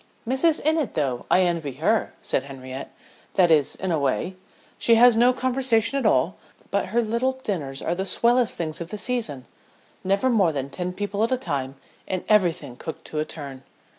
"Mrs. Innitt, though I envy her," said Henriette; "that is, in a way. She has no conversation at all, but her little dinners are the swellest things of the season. Never more than ten people at a time and everything cooked to a turn."